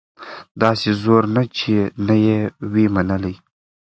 داسي زور نه وو چي نه یې وي منلي